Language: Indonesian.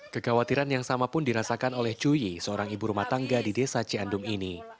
kekhawatiran yang sama pun dirasakan oleh cuyi seorang ibu rumah tangga di desa ciandum ini